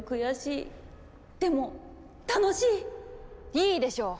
いいでしょう！